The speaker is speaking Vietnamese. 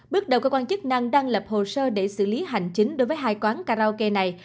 bước đầu cơ quan chức năng đang lập hồ sơ để xử lý hành chính đối với hai quán karaoke này